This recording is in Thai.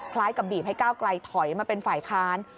คล้ายกับบีบให้ก้าวไกลถอยมาเป็นฝ่ายค้าน